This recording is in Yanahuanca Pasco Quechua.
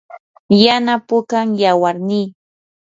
yana pukam yawarnii.